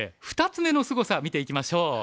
２つ目のすごさ見ていきましょう。